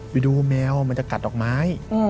ไปดูแมวมันจะกัดดอกไม้